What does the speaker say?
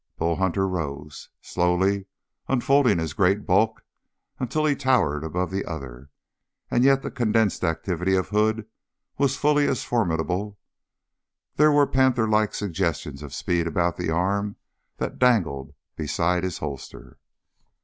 Bull Hunter rose, slowly, unfolding his great bulk until he towered above the other; and yet the condensed activity of Hood was fully as formidable. There were pantherlike suggestions of speed about the arm that dangled beside his holster.